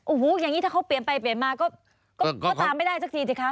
โอ้โหอย่างนี้ถ้าเขาเปลี่ยนไปเปลี่ยนมาก็ตามไม่ได้สักทีสิคะ